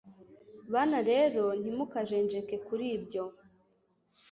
Bana rero ntimukajenjeke kuribyo